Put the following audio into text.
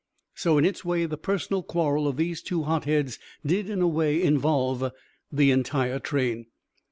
So in its way the personal quarrel of these two hotheads did in a way involve the entire train.